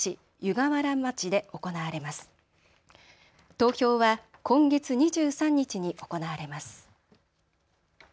投票は今月２３日に行われます。